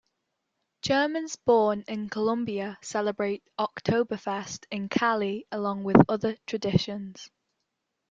Germans born in Colombia celebrate Oktoberfest in Cali along with other traditions.